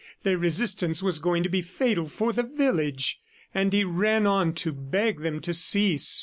Their resistance was going to be fatal for the village, and he ran on to beg them to cease.